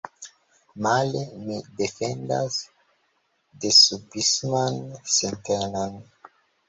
Male, mi defendas desubisman sintenon.